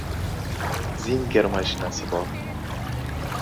«Zinger» mashinasi bor!